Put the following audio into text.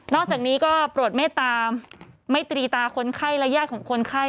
อกจากนี้ก็โปรดเมตตามไม่ตรีตาคนไข้และญาติของคนไข้